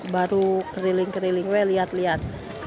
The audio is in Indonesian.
baru keriling keriling lihat lihat